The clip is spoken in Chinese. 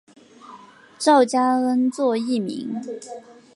赵佳恩作艺名。